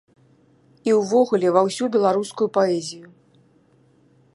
І ўвогуле ва ўсю беларускую паэзію.